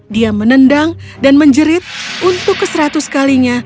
dia menendang dan menjerit untuk keseratus kalinya